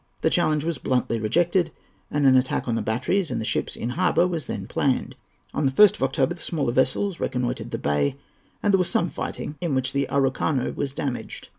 The challenge was bluntly rejected, and an attack on the batteries and the ships in harbour was then planned. On the 1st of October, the smaller vessels reconnoitred the bay, and there was some fighting, in which the Araucano was damaged.